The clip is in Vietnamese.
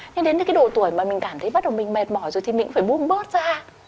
có những độ tuổi mà mình cảm thấy bắt đầu mình mệt mỏi rồi thì mình cũng phải buông bớt ra